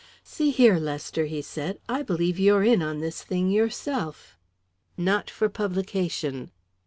"See here, Lester," he said, "I believe you're in on this thing yourself." "Not for publication."